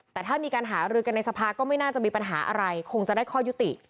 แต่ถ้ามีการหารือกันในสภาก็ไม่น่าจะมีปัญหาอะไรคงจะได้ข้อยุติ